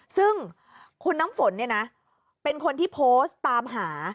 ซึ่งคุณน้ำฝนเนี่ยนะเป็นคนที่โพสต์ตามหา